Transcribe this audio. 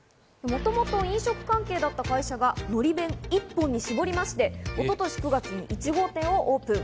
もともと飲食関係だった会社がのり弁一本に絞りまして、一昨年９月に１号店をオープン。